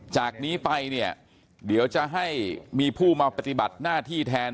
จากนี้ไปเนี่ยเดี๋ยวจะให้มีผู้มาปฏิบัติหน้าที่แทน